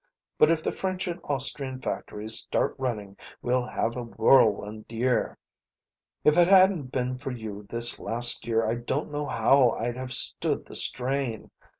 But if the French and Austrian factories start running we'll have a whirlwind year. If it hadn't been for you this last year I don't know how I'd have stood the strain.